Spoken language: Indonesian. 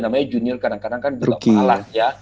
namanya junior kadang kadang kan juga malah ya